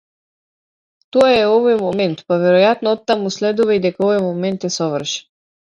Тоа е овој момент-па веројатно оттаму следува и дека овој момент е совршен.